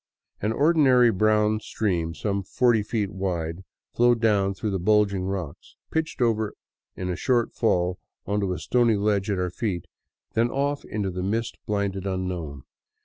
An ordinary brown stream some forty feet wide flowed down through bulging rocks, pitched over in a short fall on to a stony ledge at our feet, then off into the mist blinded unknown.